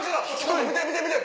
見て見て見て！